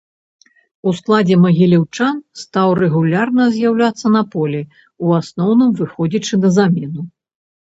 У складзе магіляўчан стаў рэгулярна з'яўляцца на полі, у асноўным выходзячы на замену.